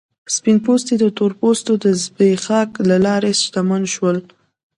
سپین پوستي د تور پوستو زبېښاک له لارې شتمن شول.